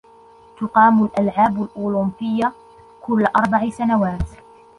تقام الألعاب الأولمبية كل أربع سنوات